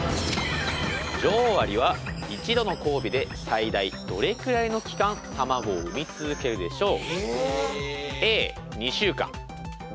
女王アリは一度の交尾で最大どれくらいの期間卵を産み続けるでしょう。